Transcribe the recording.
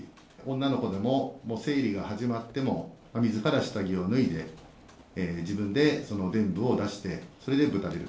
女の子でも、生理が始まってもみずから下着を脱いで、自分でそのでん部を出して、それでぶたれる。